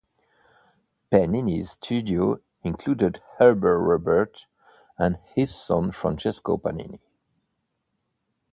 Panini's studio included Hubert Robert and his son Francesco Panini.